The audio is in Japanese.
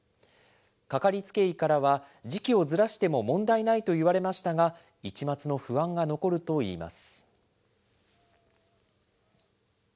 かかりつけ医からは、時期をずらしても問題ないと言われましたが、一抹の不安が残るといいます。